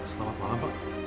selamat malam pak